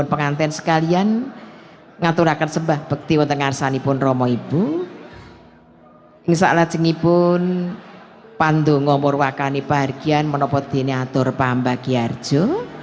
yang saya berterima kasih kepada pak jeng ibu pandu ngomorwakani paharjian menopo diniatur pambagiarjo